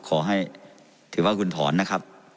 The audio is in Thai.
ขอให้ถือว่าคุณถอนนะครับ